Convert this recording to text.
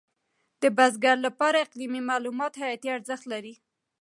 د بزګر لپاره اقلیمي معلومات حیاتي ارزښت لري.